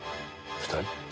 ２人？